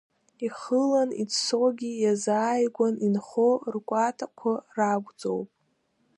Ихылан иӡсогьы иазааигәан инхо ркәатақәа ракәӡоуп…